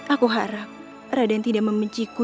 aku harap raden tidak membenciku